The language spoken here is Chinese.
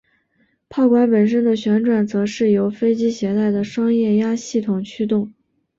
炮管本身的旋转则是由飞机携带的双液压系统驱动。